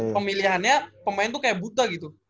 pemilihannya pemain tuh kayak buta gitu